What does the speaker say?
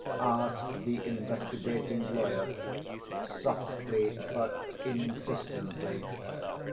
asked the investigating lawyer, softly but insistently.